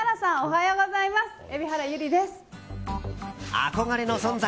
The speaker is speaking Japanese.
憧れの存在。